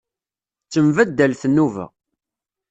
Ttembaddalet nnuba.